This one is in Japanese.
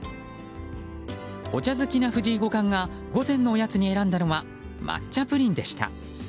お茶好きな藤井五冠が午前のおやつに選んだのは抹茶プリンでした。